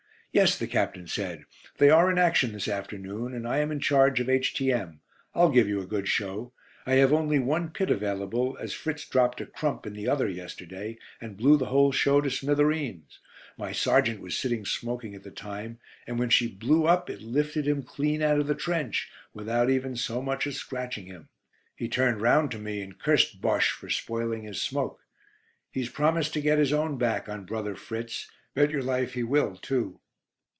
"Yes," the Captain said. "They are in action this afternoon, and I am in charge of H.T.M. I'll give you a good show. I have only one pit available, as Fritz dropped a 'crump' in the other yesterday, and blew the whole show to smithereens. My sergeant was sitting smoking at the time, and when she blew up it lifted him clean out of the trench, without even so much as scratching him. He turned round to me, and cursed Bosche for spoiling his smoke. He's promised to get his own back on 'Brother Fritz.' Bet your life he will too."